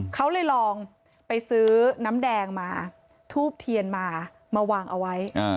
เขาเลยลองไปซื้อน้ำแดงมาทูบเทียนมามาวางเอาไว้